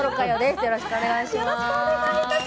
よろしくお願いします！